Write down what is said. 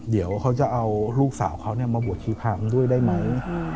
เดี๋ยวเขาจะเอาลูกสาวเขามาบวชชีพรามด้วยได้ไหม